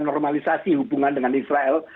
normalisasi hubungan dengan israel